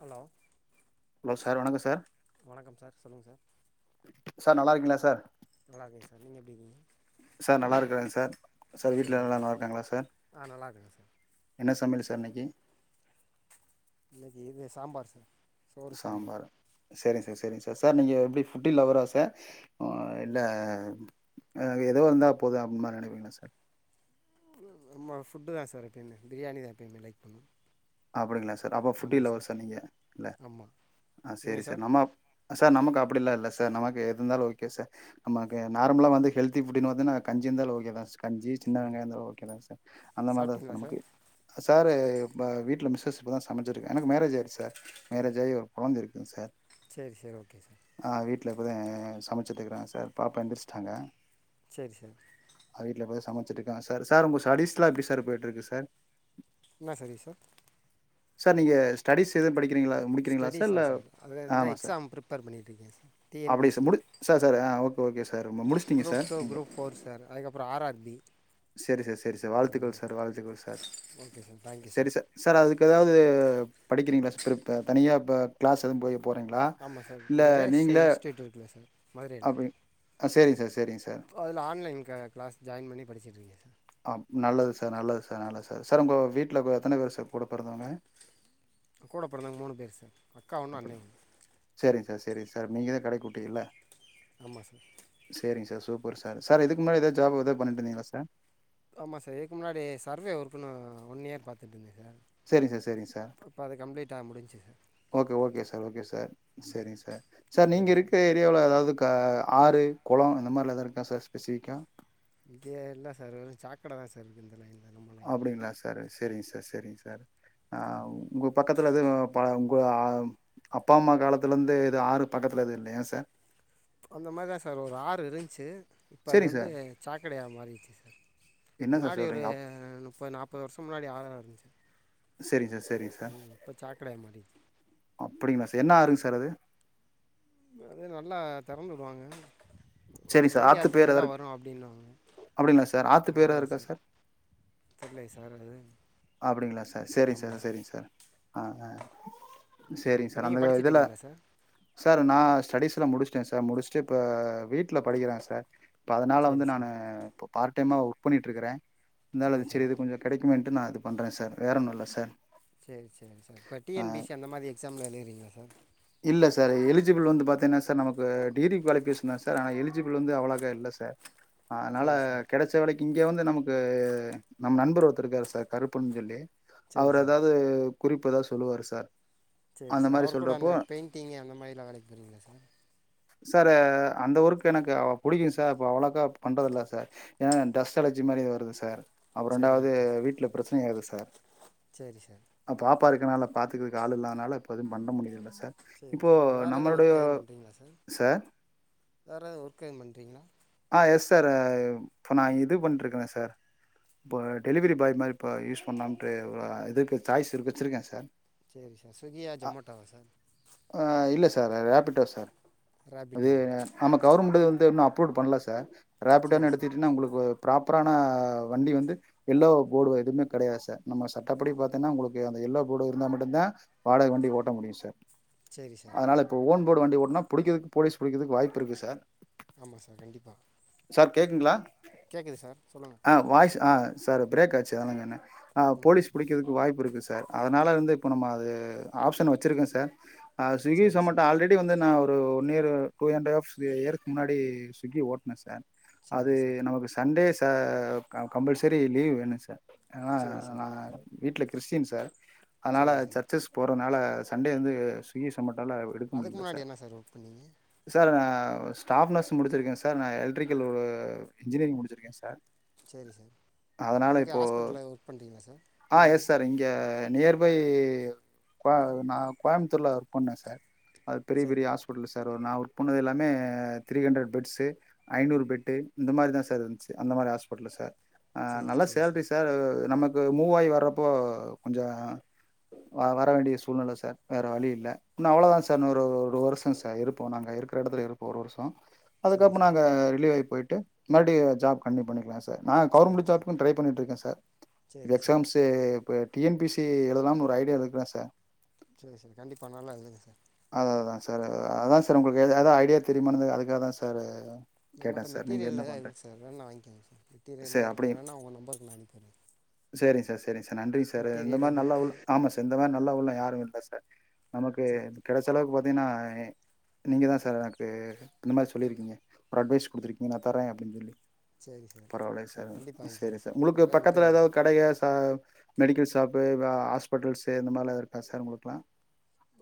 Hello hello sir வணக்கோ sir வணக்கம் sir சொல்லுங்கள் சார் நல்லா இருக்கீங் ங்களா சார் நல்லா இருக்கேங்க சார் நீங்கள் எப்படி இருக்கீங்க சார் நல்லா இருக்கறேங்க சார் சார் வீட்டுல சரி ஓகே நல்லா இருக்காங்களா சார் ஆ நல்லா இருக்கேங்க சார் என்ன சமையல் ச இது என்னக்கி இது சாம்பார் சார் சாம்பார் சேரிங்க சார் சேரிங்க சார் சார் நீங்க எப்டி ஃபுட்டி லவ்வரா சார் ஆ இல்ல அ எதோ இருந்தா போது அப்டீமா நெனைப்பீங்களா சார் ஆமா ஃபுட்டு தா சார் இருக்கு என்ன பிரியாணி தா எப்பேயுமே லைக் பண்ணுவே அப்டீங்களா சார் அப்போ ஃபுட்டி லவ்வர் சார் நீங்க இல்ல ஆமாம் ஆ சேரி சார் நம் ஆஃப் சார் நமக்கு ஆப் அப்டீலா இல்ல சார் நமக்கு ஏதுந்தாலு ஓகே சார் அம்மாக்கு நார்மல வந்து ஹல்தி புட்டு என் பாத்தனா கஞ்சி இருந்தாலு ஓகே தா சார் கஞ்சி சின்ன சரி வெங்காயந்தா ஓகே தா சார் அந்த மாதுதா சார் நமக்கு சாரே வா வீட் இல்ல மிஸ்ஸஸ் இப்போதா சமச்சிருக்கா எனக்கு மேரேஜ் ஆயிருச்சி சார் மேரேஜ் ஆயி ஒரு கொழந்த இருக்குதுங்க சார் சேரி சேரி ஓகே சார் ட்டுல இப்பதா அ அ சமைச்சிட்டு இருக்குறாங்க சார் பாப்பா எந்திரிச்சிட்டாங்க சரி சார் அவ வீட்ல இப்ப தா சம ச்சிட்டுருக்காங்க சார் சார் உங்க ஸ்டடீஸ்லா எப்டி சார் போயிட்டு இருக்கு சார் என்னா ஸ்டடீஸ் சார் சார் நீங்க ஸ்டடிஸ் எதும் படிக் ஸ்டெடீஸ்ஸா சார் அது வந்தா சார் எக்ஸாம் ப்ரிப்பேர் பண்ணிட்டுருக்க சார் டி என் பி அப்படியே சார் சி முடி சார் சார் ஆ ஓகே ஓகே சார் முடிச்சிட்டீங்க group sir two group four sir அதுக்கப்றோ ஆர் ஆர் பி செரி சார் செரி சார் வாழ்த்துக்கள் சார் வாழ்த்துக்கள் சார் ஓகே சார் தேங்க்யூ செரி சார் சார் அதுக் ஏதாவது படிக்கிறீங்களா [unintelligible] தனியா ப கிளாஸ் எதும் போய் போறீங்களா ஆமாம் சார் இல்ல இந்த ரேஸ் நீங்களே இன்ஸ்டியூட் இருக்குல்ல சார் மதுரையில் அப்டி சேரிங்க சார் சேரிங்க சார் அதில் ஆன்லைன் க கிளாஸ் ஜாயின் பண்ணி படிச்சிட்ருக்கே சார் ஆம் நல்லது சார் நல்லது சார் நல்லது சார் சார் உங்க வீட்ல வ எத்தன பேரு சார் கூட பொறதவங்க கூட பொறந்தவங்க மூணு பேரு சார் அக்கா ஒன்று அண்ணே அப்டிங் ஒன்று சேரிங் சார் செரிங்க சார் நீங்க கடைக்குட்டியில்ல ஆமாம் சார் சேரிங்க சார் சூப் ஒரு சாரு சார் இதுக்கு முன்னாடி எதா ஜாப் எது பண்ணிட்டுருந்தீங்களா சார் ஆமா சார் இதுக்கு முன்னாடி சர்வே ஒர்க்குனு ஒன் இயர் பாத்துட்டு இருந்தே செரிங் சார் செரிங்க சார் கம்ப்ளீட்டாக முடிஞ்சுச்சு sir okay okay sir okay sir செரிங்க சார் சார் நீங்க இருக்கிற ஏரிவுல எதாவது க ஆ ஆறு கொளோ இந்த மாரிலா எதாது இருக்கா சார் ஸ்பெசிஃபிக்காக இங்கே இல்ல சாரு வெறும் சாக்கட தா சார் இருக்கு இந்த லைன்ல அப்டிங்ளா சார் சேரிங்க சார் சேரிங்க சார் ஆ உங்க பக்கத்துல எதுவு பால கு ஆம் அப்பா அம்மா காலத்திலருந்தே எது ஆறு பக்கத்துல எது இல்லையா சார் அந்த மாதிரிதா சார் ஒரு ஆறு இருந்துச்சி இப்ப அது சேரிங்க வந்து சார் சாக் கிடையா மாரிச்சி சார் என்ன சார் முன்னாடி ஒரு சொல்றீங்க அப் முப்பது நாற்பது வருஷம் முன்னாடி ஆ [unintelligible] சார் செரிங்க சார் செரிங்க சார் மாறிடுச்சு அப்படிங்களா சார் என்ன ஆறுங்க சார் அது அது நல்லா தெறந்துவுடுவாங்க வ வ சரிங்க சார் வைகை ஆத்து பேர் ஆத்துலருந்து எதா தா இருக் வரு அப்டினுவாங்க அப்டிங்களா சார் ஆத்து பேர் எதா ஆமா இருக்கா சார் தெரியலயே சார் அது அப்டிங்களா சார் ஆ சேரிங்க சார் சேரிங்க சார் ஆ ஓகே சேரிங்க இப்போ சார் அந்த நீங்கள் படிச்சுட்டு இதுல இருக்கீங்களா சார் சார் நா ஸ்டடிஸ்லாம் முடிச்சிட்டேன் சா சார் முடிஸ்ட்டு இப்ப வீட்ல படிக்கிறாங்க சார் இப்போ அதனால சரி வந்து நானு சார் இப்போ பார்ட் டைமா ஒர்க் பண்ணிட்டு இருக்கறேன் இருந்தாலும் அது சரி இது கொஞ்ச கெடைக்குமே ன்ட்டு நா அது பண்ற சார் வேற ஒன்னும் இல்ல சார் சேரிங்க சார் சேரி இப்ப டி ஆ என் பி சி அந்த மாதிரி எக்ஸாம்ல எழுதிறீங்களா சார் இல்ல சார் எலிஜிபிள் வந்து பாத்தீங்கன்னா சார் நமக்கு டிகிரி குவாலிஃபிகேசன் தான் சார் ஆனா எலிஜிபிள் வந்து அவ்ளோக்கா இல்ல சார் ஆ அதனால சரி சார் கெடைச்ச வேலைக் இங்க வந்து நமக்கு நம் நண்பர் ஒருத்தர் இருக்காரு சார் கருப்புன்னு சொல்லி சரி அவர் சார் எதாவது குறிப்பு எதாவது சொல்லுவாரு சார் சேரி அந்த சார் மாதிரி அவர்கூட சொல்றப்போ அந்த பெயிண்ட் டிங்க அந்த மாரிலாம் அனுப்பிறீங்களா சார் சார் ஆ அந்த ஒர்க் எனக்கு புடிக்கும் சார் இப்ப அவ்வளோக்கா பண்றதில்ல சார் ஏன்னா டஸ்ட் அலர்ஜி மாதிரி வருது சார் அப்புற ரெண்டாவது வீட்ல பிரச்சனைையாகுது சார் சார் சேரி சார் ப்பா இருக்கனால பாத்துறதுக்கு ஆள் இல்லாதனால ஃபுல்லா இப்போ எதும் பண்ண முடியல சார் இப்போ நம்மளுடைய சார் வேற எதா ஒர்க் [unintelligible] ஆ எஸ் சார் இப்போ நா இது பண்ணிட்ருக்கறேன் சார் இப்போ டெலிவரி பாய் மாரி இப்போ யூஸ் பண்ணலாம்ட்டு ஒரு இதுக்கு சாய்ஸ் இருக்க வச்சுருக்கேன் sir Swiggy or Zomato sir இல்லை சார் ரேபிட்டோ சார் அதே ரேபிட்டோவா நம்ம கவர்மெண்ட்டு வந்து இன்னும் அப் பண்ல சார் சரி ராபிட்டோன்னு சார் எடுத்திட்டீங்கன்னா உங்களுக்கு ப்ராப்பரான வண்டி வந்து எல்லோ போர்டு எதுவுமே கெடையாது சார் நம்ம சட்டப்படி பாத்தீங்கன்னா உங்களுக்கு அந்த எல்லோ போர்டு இருந்தால் மட்டும்தான் வாடகை வண்டி ஓட்ட முடியும் சார் சரி சார் அதனால இப்ப ஓன் ஃபுட்போர்டு வண்டி ஓட்னா புடிக்கறக்கு போலீஸ் புடிக்கறதுக்கு வாய்ப்பு இருக்கு சார் ஆமா சார் கண்டிப்பா சார் கேக்குங்களா ஆ வாய்ஸ் ஆ சார் பிரேக் ஆச்சு ஜலங்க [unintelligible] ம் ஆஹ்போலீஸ் புடிக்கிறதுக்கு வாய்ப்பு இருக்கு சார் சார் அதனால இருந்து இப்போ நம்ம அது ஆப்ஷன் வச்சிருக்கேன் சார் ஆ ஸ்விகி சரி சொமட்டா சார் ஆல்ரெடி வந்து நான் one year two and half இயருக்கு முன்னாடி ஸ்விகி ஓட்டினன் சார் அது சரி சார் நமக்கு சண்டேஸ் ஆஹ் க கம்பல்சரி லீவ் வேணும் சார் ஆனா சரி சார் நான் வீட்டுல கிறிஸ்டின் சார் அதனால சரி சார் சர்ச்சஸ் போற அதனால சண்டே வந்து ஸ்விக்கி சமட்ட எடுக்க அதுக்கு முடியல முன்னாடி சார் என்ன ஒர்க் பண்ணீங்க சார் ந ஸ்டாப் நர்ஸ் முடிச்சிருக்கேன் சார் சார் நான் எலக்ரிக்கல் ஒரு இன்ஜினியரிங் முடிச்சுிருக்கேன் சார் சரி சார் அதனால எங்கே இப்போ ஹாஸ்பிட்டல ஒர்க் பண்ணுறீங்களா சார் ஆ முன்னாடி எஸ் சார் இங்க நியர்பை கோ நான் கோயம்புத்தூரில ஒர்க் பண்ணேன் சார் அது பெரிய சரி பெரிய ஹாஸ்பிட்டல் சார் சார் ஒரு நான் ஒர்க் பண்ணது எல்லாமே த்ரீ ஹண்ட்ரட் பெட்ஸு ஐநூறு பெட்டு இந்த மாதிரிதான் சார் இருந்துச்சு அந்த மாதிரி ஹாஸ்பிடல் சார் ஆஹ் சரி நல்ல சரி சேலரி சார் நமக்கு மூவாயி வர்றப்போ கொஞ்சம் வர வேண்டிய சூழ்நிலை சார் வேற வழி இல்லை இன்னும் அவ்வளோதான் சார் இன்னும் ஒரு ஒரு வருஷம் சார் இருப்போம் நாங்கள் இருக்கிற இடத்துல இருப்போம் ஒரு வருஷம் சரி அப்ப சார் நாங்க ரிலிவ் ஆயி போயிட்டு மறுபடியும் ஜாப் கண்டினியு பண்ணிக்கலாம் சார் நான் சரி கவர்மெண்ட் சார் ஜாப்க்கும் ட்ரை பண்ணிட்டு இருக்கேன் சார் சரி சார் எக்ஸாம்ஸ் இ இப்போ டிஎன்பிசி எழுதலாம்னு ஒரு ஐடியால இருக்கிறேன் சார் சரி சார் கண்டிப்பா நல்லா எழுதுங்க சார் அததான் சார் அதான் சார் உங்களுக்கு எதாவது ஐடியா தெரியுமானது அதுக்காக தான் சார் நம்மட்ட கேட்டேன் சார் நீங்கள் என்ன மெட்டீரியல்ல பண்ணுறேன் இருக்குது சார் வேனுநா வாங்கிக்கோங்க சார் மெட்டீரிய சரி எல்லாம் இருக்குது வேன்னா உங்கள் நம்பருக்கு நான் அனுப்பிடுறேன் சேரிங்க சார் ச சேரிங்க சார் நன்றி சாரே இந்த மெட்டீரியலு மாரி நல்ல புக்கு உள் ஆமா சார் இந்த மாரி நல்ல நல்ல உள்ளம் யாரும் இல்ல சார் நமக்கு சரி இந்த செலவுக்கு பாத்தீங்கன்னா நீங்க தான் சார் எனக்கு இந்த மாரி சொல்லியிருக்கீங்க ஒரு அட்வைஸ் குடுத்துருக்கீங்க நான் தர்ரேன் அப்படின்னு சொல்லி சரி சார் பரவாயில்லை க சார் கண்டிப்பாக செரி வாங்கிக்கோங்க சார் உங்களுக்கு நிறையா பக்கத்துல மெட்டீரியல் எதாவது இருக்குது கடைக சா மெடிக்கல் ஷாப்பு ஹாஸ்பிட்டல்ஸு இந்த மாரிலா இருக்கா சார் உங்களுக்குல்லா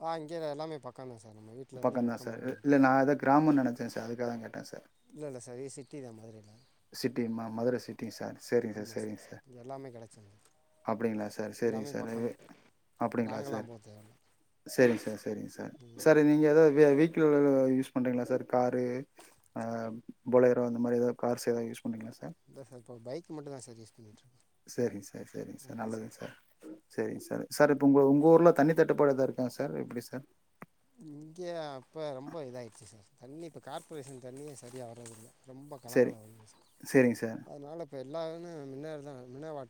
அஹ் இங்க எல்லாமே பக்கம் தான் சார் நம்ம வீட்லருந்து பக்கமாவே இருக்குது சே சார் அதுக்காகதா கேட் இல்ல இல்ல சார் இது சிட்டி தான் மதுரைல மதுர சிட்டி சார் செரிங்க சார் செரிங்க சார் இங்கே எல்லாமே கிடச்சிரும் சார் அப்டிங்களா சார் செரிங்க எல்லாமே சார் பக்கம்தான் [unintelligible] அப்டிங்களா சார் லாங்கெல்லாம் போக தேவையில்ல செரிங்க சார் [unintelligible] சார் ம் சார் நீங்க எதாவது வெ வெஹிகிள் எதாவது யூஸ் பண்றீங்களா சார் காரு அஹ் பொளைரோ அந்த மாரி எதாது கார்ஸ் எதாது யூஸ் பண்றீங்களா சார் இல்லை இப்போ பைக் மட்டும் தான் சார் யூஸ் பண்ணிகிட்ருக்கோம் சேரிங்க சார் சேரிங்க சார் நல்லதுங் சார் சேரிங்க சார் சார் இப்போ உங்க உங்க ஊர்ல தண்ணி தட்டுப்பாடு எதாது இருக்கா சார் எப்டி சார் [unintelligible] இங்கே அப்ப ரொம்ப இதாயிடுச்சு சார் தண்ணி இப்ப கார்பரேஷன் தண்ணியே சரியா வரதில்ல ரொம்ப சரி கலங்கலா வருது சார் சரிங்க சார் அதுனால இப்ப எல்லா மின்ன மினரல் தா மினரல் வாட்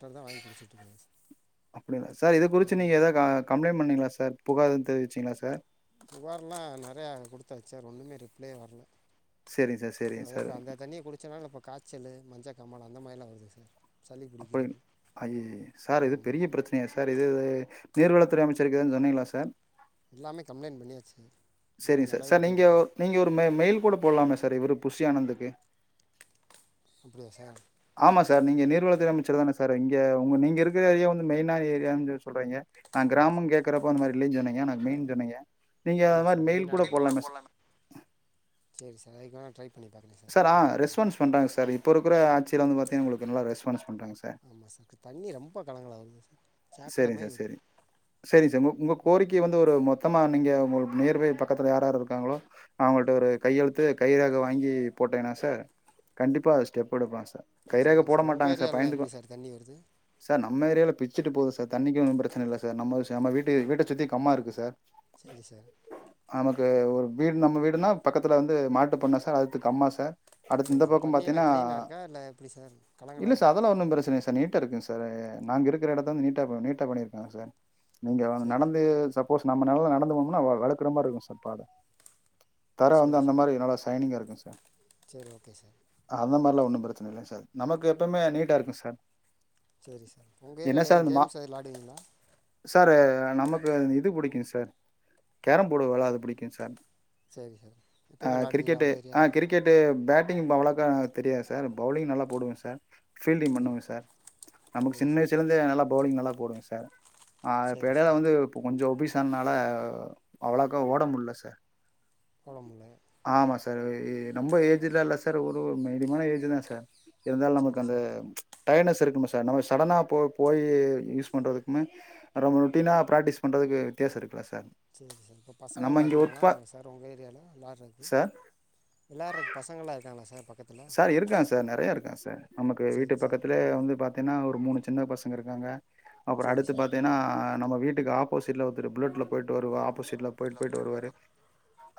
அப்டிங்களா சார் இது குறிச்சு நீங்க ஆமாம் எதா கம்ளைண்ட் பண்ணீங்களா சார் புகார் எதும் தெரிவிச்சீங்களா சார் புகார்லா நெறையா குடுத்தாச்சு ஒன்னுமே ரிப்ளயே வர்ல சரிங்க சார் சரிங்க எனக்கு சார் அந்த தண்ணிய குடிச்சனால இப்ப காச்சலு மஞ்ச காமால அந்த மாரிலா வருது சார் சளி அப்பயு பிடிக்கிறது ஐயயோ சார் இது பெரிய ஆமாம் பிரச்சனையா சார் இது நீர்வளத்துறை அமைச்சருக்கு எதும் சொன்னிங்களா சார் எல்லாமே கம்ப்ளைன்ட் பண்ணியாச்சு செரிங்க ஒன்றும் சார் சார் நடவடிக்கை நீங்க எடுக்கலை நீங்க ஒரு ம மெயில் கூட போடலாமே சார் இவரு புஷ்ஷியானந்துக்கு அப்டியா சார் சரிதான சார் இங்க உங்க நீங்க இருக்கிற ஏரியா வந்து மெயினா ஏரியான்னு சொல்றீங்க நான் ஆமாம் கிராமம் கேக்குறப்ப அந்த மாரி இல்லன்னு சொன்னீங்க ஆனா மெயின் சொன்னீங்க நீங்க ஆமா அது மாதிரி சார் மெயில் கூட மெயினான போடலாமே சார் ஏரியா சேரி சார் அதுக்கு வேனா சார் ஆ ரெஸ்பான்ஸ் பண்றாங்க சார் இ இப்ப இருக்குற ஆட்சில வந்து பாத்தீங்கனா உங்களுக்கு நல்ல ரெஸ்பான்ஸ் பண்றாங்க சார் ஆமா சார் தண்ணி ரொம்ப கலங்கலா வருது சார் சாக்கடை சரிங்க மாதிரி சார் வருது சரி சரிங்க சார் உ உங்க கோரிக்கை வந்து ஒரு மொத்த மொத்தமா நீங்க உங்களுக்கு நியர்பை பக்கத்துல யார் யார் இருக்காங்களோ அவங்கள்கிட்ட ஒரு கையெழுத்து கை ரேகை வாங்கி போட்டேங்னா சார் கண்டிப்பாக ஸ்டெப் எடுப்பாங்க சார் கைராக சரி போட உங்கள் மாட்டாங்க சார் ஏரியாலெலாம் பயந்துக்கு எப்படி வாங்க சார் தண்ணி வருது சார் நம்ம ஏரியாவிலே பி வச்சிட்டு போதும் சார் தண்ணிக்கு ஒன்னும் பிரச்சனை இல்லை சார் நம்ம நம் வீட்டு வீட்டை சுற்றி கம்மாய் இருக்குது சார் சரி சார் [inaudible] நமக்கு ஒரு வீடு நம்ம வீடுனா பக்கத்தில் வந்து மாட்டு பண்ணைசார் அடுத்து கம்மா சார் அடுத்து சரி இந்த சார் பக்கம் தண்ணி எல்லாம் பாத்தீங்கன்னா கிளீனா இருக்கா இல்ல எப்படி சார் கலங்கலா இல்ல சார் இருக்கா அதெல்லாம் ஒன்னும் பிரச்சனை இல்ல சார். நீட்டா இருக்குங்க சார் நாங்க இருக்கு எல்லா இடத்துலயும் நீ நீட்டா பண்ணியிருக்காங்க சார் நீங்க வந்து சரி நடந்து ச சப்போஸ் நம்ம நடந்து போணோம்னா வ வழுக்கற மாதிரி இருக்கும்க் சார் பாதை தரை வந்து சரி அந்த சார் மாதிரி நல்லா சைனிங்கா இருக்கும் சார் சரி ஓகே சார் அந்த மாதிரியெல்லாம் ஒன்றும் பிரச்சனை இல்லை சார் நமக்கு எப்பவுமே நீட்டாக இருக்கும் சார் சரி சரி என்ன சார் இந்த மா சார் நமக்கு இது பிடிக்குங்க சார் கேரம் போர்டு வவிளையாட பிடிக்கும் சார் சரி சார் எப்பயுமே ஆஹ் விளாடுவீங்களா கிரிக்கெட்டு உங்கள் ஆஹ் ஏரியாவில் கிரிக்கெட்டு பேட் பேட்டிங் அவ்வளாக்கா தெரியாது சார் பவுலிங் நல்லா போடுவேன் சார் ஃபீல்டிங் சரி பண்ணுவேங்க சார் நமக்கு சரி சின்ன சார் வயசு நல்லா பவுலிங் நல்லா போடுவேங்க சார் ஆஹ் இப்ப சரி இடையில சார் வந்து கொஞ்சம் ஒப னால அவ்ளோக்கா ஓட முடியல சார் குழம்பல [inaudible] ஆமா சார் ரொம்ப ஏஜ் இல்ல இல்ல சார் ஒரு மீடியமான ஏஜ் தான் சார் இருந்தாலும் நமக்கு சரி அந்த சார் டயடனஸ் இருக்குமா சார் நம்ம சடனாக போய் யூஸ் பண்ணுறதுக்குமே ரொம்ப ருட்டீனாக ப்ராக்டிஸ் பண்ணுறதுக்கும் வித்தியாசம் இருக்குலா சார் இப்போ நம்ம பசங்கள்லாம் இங்க ஒர்க் இருக்காங்களா பா சார் உங்கள் ஏரியாவில யார் சார் எல்லாரும் இருக்காங்க பசங்களெல்லாம் இருக்க சார் [unintelligible] சார் இருக்காங்க சார் நிறைய இருக்காங்க சார் நமக்கு சரி வீட்டு சரி பக்கத்தல வந்து பார்த்த ஏன்னா ஒரு மூணு சின்ன பசங்க இருக்காங்க அப்புறம் சரி அடுத்து சார் பாத்தீங்கன்னா நம்ம வீட்டுக்கு ஆபோசிட்ல ஒத்தறு புல்லட் ல போயிட்டு வருவா ஆ ஆப்போசிட்ல போயிட்டு போயிட்டு வருவாரு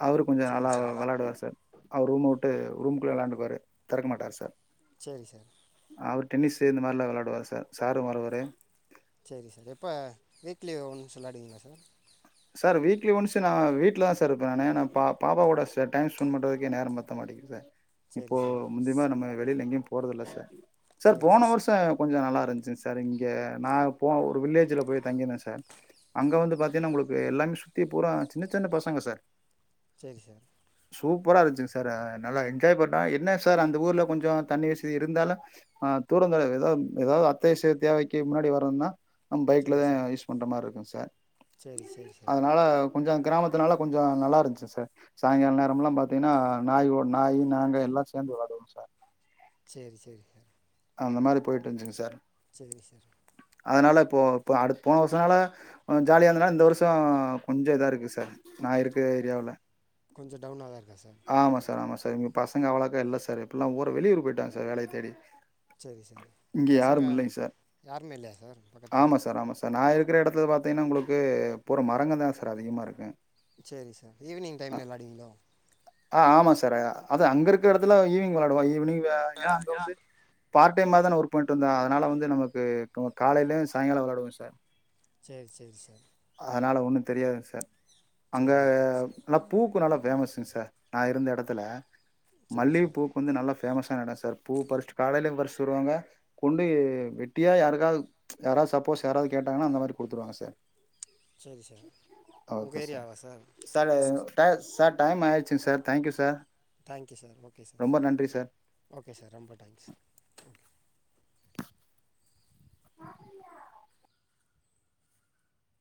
அவரு கொஞ்சம் சரி நல்லா சார் விளையாடுவார் சார் ஆ ரூம்மவுட்டு ரூமுக்குள்ள எாண்டு போரு திறக்க மாட்டார் சார் சரி சார் அவர் டென்னிஸ்ஸு இந்த மாதிரிலாம் விளையாடுவார் சார் சரு மறுவரு சரி சார் இப்போ வீக்லி ஒன்ஸ் விளையாடுவீங்களா சார் சார் வீக்லி ஒன்ஸ் நான் வீட்டுலதான் சார் இருப்பே நான பாப்பாவ கூட ச டைம் ஸ்பெண்ட் பண்றதுக்கே நேரம் மாத்த மாட்டே சார் சரி இப்போ சார் முந்துமா நம்ம வெளியில எங்கயும் போடுதல சார் சார் போன வருஷம் கொஞ்சம் நல்லா இருந் சார் இங்க நான் போ ஒரு வில்லேஜ்ல போய் தங்கியிருந்தேன் சார் அங்க வந்து பாாரத்தீங்கன்னா உங்களுக்கு எல்லாமே சுத்தி பூரா சின்ன சின்ன பசங்க சார் சரி சார் சூப்பராக இருந்துச்சிங்க சார் நல்லா என்ஜாய் பண்ணுறேன் என்ன சார் அந்த ஊரில் கொஞ்சம் தண்ணி வசதி இருந்தாலும் தூரந்த ஏதாவது ஏதாவது அத்தை வச தேவைக்கு முன்னாடி வரணனால் ஆ சரி பைக்லதான் சார் யூஸ் பண்ற மாதிரி இருக்கும் சார் ச சரி சரி சார் கொஞ்சம் கிராமத்துனால கொஞ்சம் நல்லா இருந்துச்சு சார் சாய்ங்கால நேரம் எலாம் பார்த்தீங்கன்னா நாய் நாய் நாங்க எல்லாம் சேர்ந்து விளாடுவோம் சார் சரி சரி சரி அந்த மாதிரி போயிட்டு இருந்துச்சு சார் சரி சார் அதனால இப்போ இப்ப அடு போன வருஷனால ஜாலியா இருந்ததுனா இந்த வருஷம் கொஞ்சம் இதா இருக்கு சார் நான் இருக்க ஏரியவுல கொஞம் டனாக த இருக்கு ஆமா சார் ஆமா சார் சார்ங்க பசங்க அவ்ளக்க இல்ல்ல சார்ப்பல்லாம் ஊ வெளியூர் போயிட்டாங்க சார் வேலையை தேடி சரி சார் இப்ப இங்க பசங்க யாரும் இல்லைங்க சார் யாருமே இல்லையா சார் பக்கத்துல ஆமா சார் ஆமா சார் நா இருக்கிற இடத்துல பார்த்தீங்கன்னா உங்களுக்கு போகிற மரங்கள் தான் சார் அதிகமாக இருக்கு சரி சார் ஈவினிங் டைம் நல்லாடிங்களோ ஆஹ் ஆமா சார் அது அங்க இருக்க இடத்துல ஈவினங் விளாடுவா ஈவினிங் ஏன்னா அங்க வந்து பார்ட் டைம் தானே ஒர்க் பயிட்டுந்தன் அதனால வந்து நமக்கு காலைலுல் சாயங்காலம் விளையாடும் சார் சரி சரி சார் அதனால்ல ஒன்றும் தெரியாது சார் அங்கே சரி ஓகே சார் நல்லா பூக்கு நல்லா ஃபேமஸ்ங்க சார் நான் இருந்த இடத்துல சரி சார் மல்லிகைப்பூக்கு வந்து நல்லா ஃபேமஸான இடம் சார் பூ பறிஸ்டு காலையிலயு ப றிஸ்டு வருவாங்க கொண்டு வெட்டியா யாருக்காது யாராவது சப்போஸ் யாராது கேட்டாங்கனா அந்த மாரி குடுத்துருவாங்க சார் சரி சார் ஓகே உங்கள் சார் ஏரியாவா சாரு ஃபேமஸ் டய சா டைம் [unintelligible] செரி sir thank you sir thank you sir okay sir ரொம்ப நன்றி சார் ஓகே சார் ரெம்ப தேங்க்ஸ்